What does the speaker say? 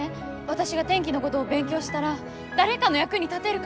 私が天気のごどを勉強したら誰かの役に立てるかな？